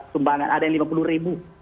sumbangan ada yang lima puluh ribu